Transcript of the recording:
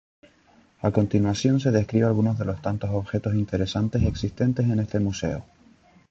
A continuación se describe algunos de los tantos objetos interesantes existentes en este Museo.